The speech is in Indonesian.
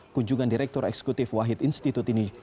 kunjungan direktur eksekutif wahid institute ini